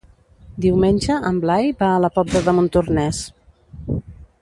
Diumenge en Blai va a la Pobla de Montornès.